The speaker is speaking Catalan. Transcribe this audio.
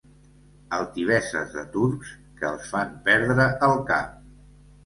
Altiveses de turcs que els fan perdre el cap.